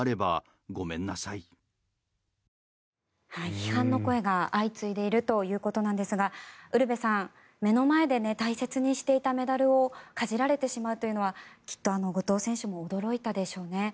批判の声が相次いでいるということですがウルヴェさん、目の前で大切にしていたメダルをかじられてしまうというのはきっと後藤選手も驚いたでしょうね。